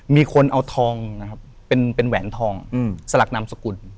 มีคนเอาทองนะครับเป็นแหวนทองสลักนามสกุล